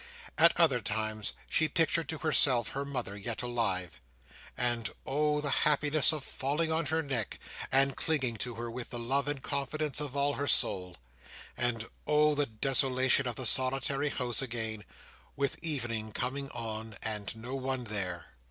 At other times she pictured to herself her mother yet alive. And oh the happiness of falling on her neck, and clinging to her with the love and confidence of all her soul! And oh the desolation of the solitary house again, with evening coming on, and no one there!